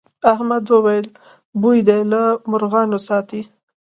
احمد وويل: بوی دې له مرغانو ساتي.